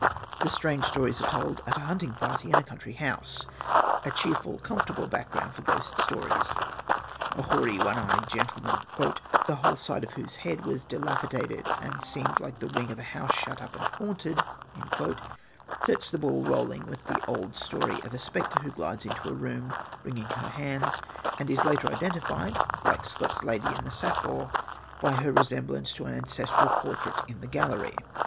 The strange stories are told at a hunting party in a country house, a cheerful, comfortable background for ghost stories. A hoary, one eyed gentleman, "the whole side of whose head was dilapidated and seemed like the wing of a house shut up and haunted," sets the ball rolling with the old story of a spectre who glides into the room, wringing her hands, and is later identified, like Scott's Lady in the Sacque, by her resemblance to an ancestral portrait in the gallery.